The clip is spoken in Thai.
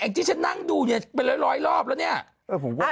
แอคจีฉันนั่งดูอยู่หลายรอบแล้ว